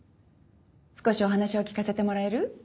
少しお話を聞かせてもらえる？